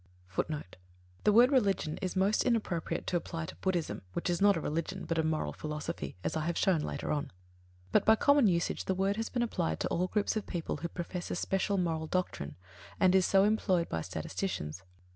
The word "religion" is most inappropriate to apply to Buddhism which is not a religion, but a moral philosophy, as I have shown later on. But, by common usage the word has been applied to all groups of people who profess a special moral doctrine, and is so employed by statisticians.